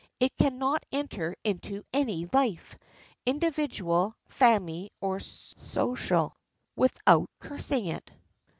It can not enter into any life—individual, family, or social—without cursing it.